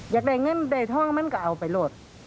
อยากได้เงินได้ทองมันก็เอาไปโหลด